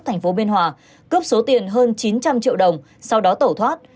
thành phố biên hòa cướp số tiền hơn chín trăm linh triệu đồng sau đó tẩu thoát